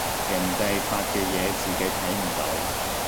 人哋發嘅嘢自己睇唔到